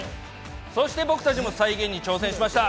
そして、僕たちも再現に挑戦しました。